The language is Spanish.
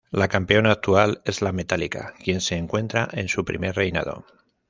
La campeona actual es La Metálica, quien se encuentra en su primer reinado.